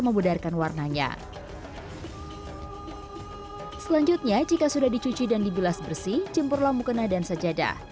memudarkan warnanya selanjutnya jika sudah dicuci dan dibilas bersih jempurlah mukena dan sajadah